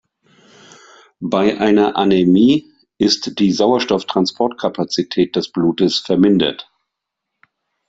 Bei einer Anämie ist die Sauerstoff-Transportkapazität des Blutes vermindert.